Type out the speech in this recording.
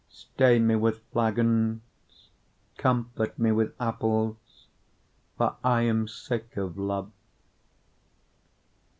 2:5 Stay me with flagons, comfort me with apples: for I am sick of love.